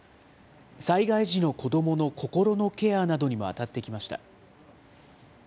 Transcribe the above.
災害時の子どもの心のケアなどにも当たってきました。